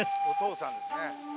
お父さんですね。